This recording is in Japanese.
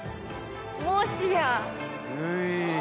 もしや。